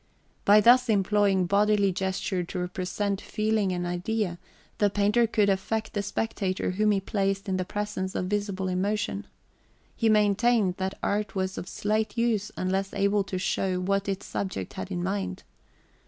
By thus employing bodily gesture to represent feeling and idea, the painter could affect the spectator whom he {xv} placed in the presence of visible emotion. He maintained that art was of slight use unless able to show what its subject had in mind.